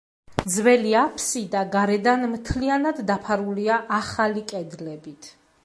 ძველი აფსიდა გარედან მთლიანად დაფარულია ახალი კედლებით.